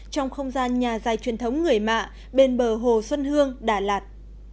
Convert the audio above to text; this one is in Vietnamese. trong không gian nhà dài truyền thống người mạ bên bờ hồ xuân hương đà lạt